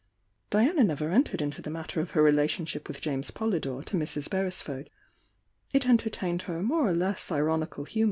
Diana never entered into the matter of her relationship with James Polydore to Mrs. Beres ford, — it entertained her more or less ironical hu i'.